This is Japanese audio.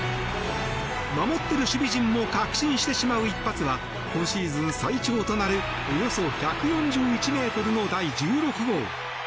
守ってる守備陣も確信してしまう一発は今シーズン最長となるおよそ１４１ｍの第１６号。